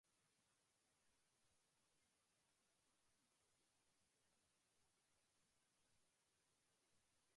زہر آلودہ رسم و رواج کو اسباق کی شکل دے کر اقساط میں فلم بند کئے جاتے ہیں